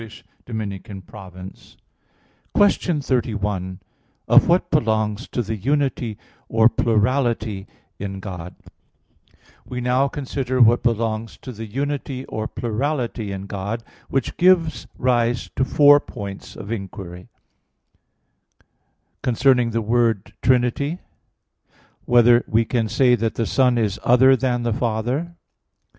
_______________________ QUESTION 31 OF WHAT BELONGS TO THE UNITY OR PLURALITY IN GOD (In Four Articles) We now consider what belongs to the unity or plurality in God; which gives rise to four points of inquiry: (1) Concerning the word "Trinity"; (2) Whether we can say that the Son is other than the Father?